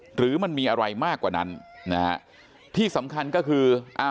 หรือมันมีอะไรมากกว่านั้นนะฮะที่สำคัญก็คืออ่า